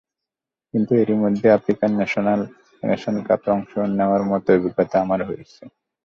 কিন্তু এরই মধ্যে আফ্রিকান নেশনস কাপে অংশ নেওয়ার মতো অভিজ্ঞতা আমার হয়েছে।